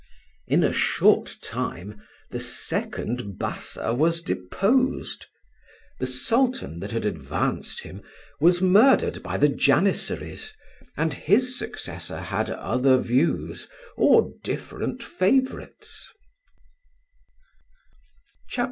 In a short time the second Bassa was deposed. The Sultan that had advanced him was murdered by the Janissaries, and his successor had other views or different favourites.